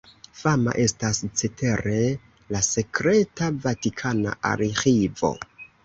Fama estas cetere la sekreta vatikana arĥivo.